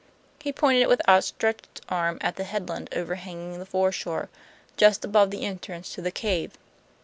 He pointed with outstretched arm at the headland overhanging the foreshore, just above the entrance to the cave.